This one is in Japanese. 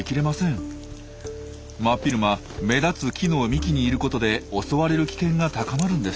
真っ昼間目立つ木の幹にいることで襲われる危険が高まるんです。